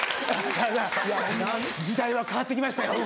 時代は変わって来ましたよ。